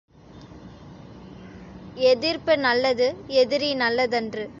எதிர்ப்பு நல்லது எதிரி நல்லதன்று.